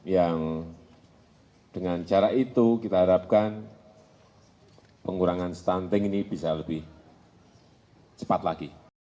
yang dengan cara itu kita harapkan pengurangan stunting ini bisa lebih cepat lagi